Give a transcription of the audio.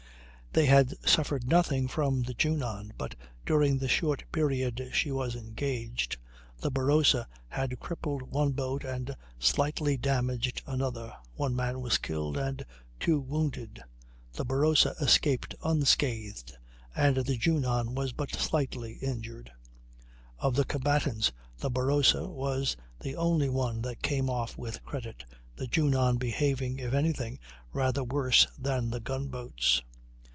They had suffered nothing from the Junon, but during the short period she was engaged, the Barossa had crippled one boat and slightly damaged another; one man was killed and two wounded. The Barossa escaped unscathed and the Junon was but slightly injured. Of the combatants, the Barossa was the only one that came off with credit, the Junon behaving, if any thing, rather worse than the gun boats.